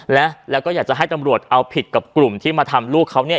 และแล้วก็อยากจะให้ตำรวจเอาผิดกับกลุ่มที่มาทำลูกเขาเนี่ย